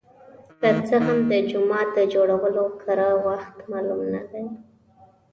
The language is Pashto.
که څه هم د جومات د جوړولو کره وخت معلوم نه دی.